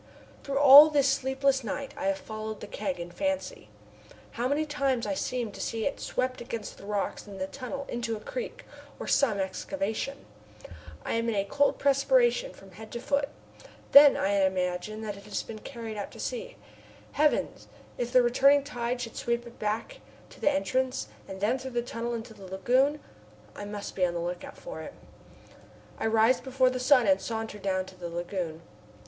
Through all this sleepless night I have followed the keg in fancy. How many times I seem to see it swept against the rocks in the tunnel into a creek, or some excavation. I am in a cold perspiration from head to foot. Then I imagine that it has been carried out to sea. Heavens! if the returning tide should sweep it back to the entrance and then through the tunnel into the lagoon! I must be on the lookout for it. I rise before the sun and saunter down to the lagoon.